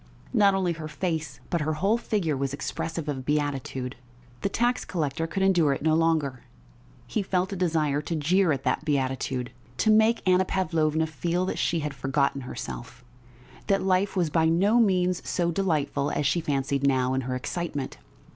Not only her face but her whole figure was expressive of beatitude.... The tax collector could endure it no longer; he felt a desire to jeer at that beatitude, to make Anna Pavlovna feel that she had forgotten herself, that life was by no means so delightful as she fancied now in her excitement....